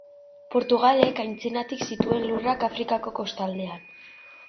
Portugalek antzinatik zituen lurrak Afrikako kostaldean.